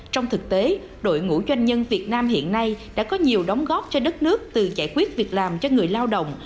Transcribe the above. trong thực tế đội ngũ doanh nhân việt nam hiện nay đã có nhiều đóng góp cho đất nước từ giải quyết việc làm cho người lao động